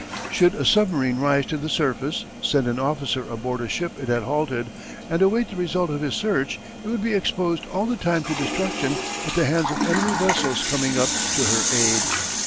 Should a submarine rise to the surface, send an officer aboard a ship it had halted, and await the result of his search, it would be exposed all the time to destruction at the hands of enemy vessels coming up to her aid.